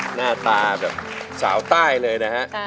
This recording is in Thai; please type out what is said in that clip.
หน้าตาแบบสาวใต้เลยนะฮะ